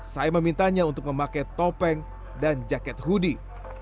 saya memintanya untuk memakai topeng dan jaket hoodie